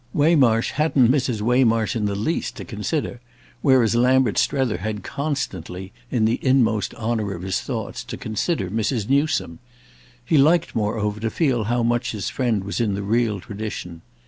Waymarsh hadn't Mrs. Waymarsh in the least to consider, whereas Lambert Strether had constantly, in the inmost honour of his thoughts, to consider Mrs. Newsome. He liked moreover to feel how much his friend was in the real tradition.